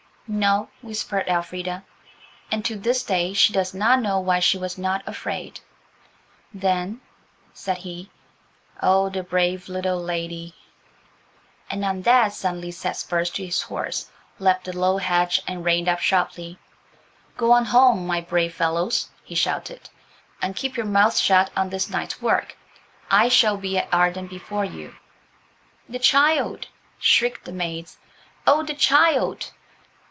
"No," whispered Elfrida. And to this day she does not know why she was not afraid. "Then–" said he. "Oh, the brave little lady–" And on that suddenly set spurs to his horse, leapt the low hedge, and reined up sharply. "Go on home, my brave fellows," he shouted, "and keep your mouths shut on this night's work. I shall be at Arden before you–" "The child!" shrieked the maids; "oh, the child!"